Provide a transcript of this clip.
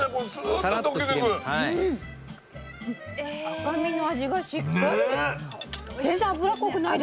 赤身の味がしっかり。